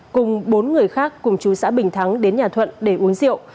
cùng bốn người khác cùng chú xã bình thắng đến nhà thuận để uống rượu